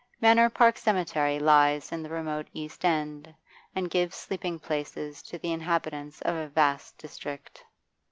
Manor Park Cemetery lies in the remote East End, and gives sleeping places to the inhabitants of a vast district.